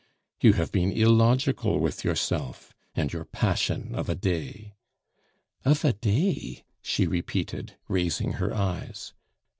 You have been illogical with yourself, and your passion of a day " "Of a day?" she repeated, raising her eyes.